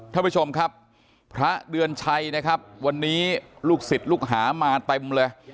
ท่านผู้ชมครับพระเดือนชัยนะครับวันนี้ลูกศิษย์ลูกหามาเต็มเลย